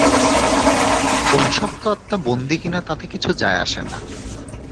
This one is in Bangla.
অভিশপ্ত আত্মা বন্দী কিনা তাতে কিছু যায় আসে না।